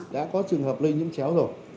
đã có trường hợp lây nhiễm chéo rồi